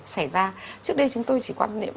xảy ra trước đây chúng tôi chỉ quan niệm